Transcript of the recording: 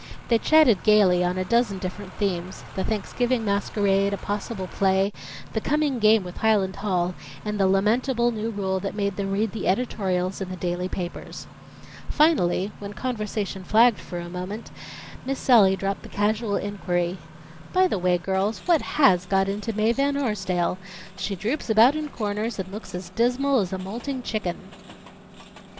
They chatted gaily on a dozen different themes the Thanksgiving masquerade, a possible play, the coming game with Highland Hall, and the lamentable new rule that made them read the editorials in the daily papers. Finally, when conversation flagged for a moment, Miss Sallie dropped the casual inquiry: "By the way, girls, what has got into Mae Van Arsdale? She droops about in corners and looks as dismal as a molting chicken."